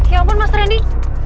ya ampun mas randy